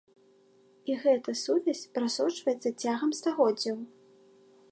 І гэта сувязь прасочваецца цягам стагоддзяў.